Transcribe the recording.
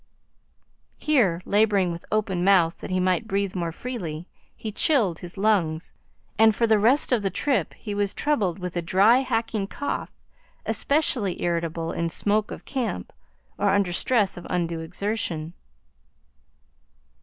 Here, labouring with open mouth that he might breathe more freely, he chilled his lungs, and for the rest of the trip he was troubled with a dry, hacking cough, especially irritable in smoke of camp or under stress of undue exertion.